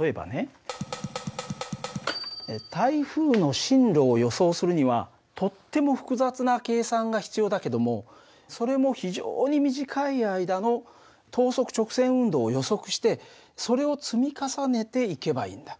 例えばね台風の進路を予想するにはとっても複雑な計算が必要だけどもそれも非常に短い間の等速直線運動を予測してそれを積み重ねていけばいいんだ。